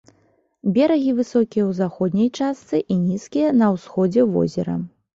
Берагі высокія ў заходняй частцы і нізкія на ўсходзе возера.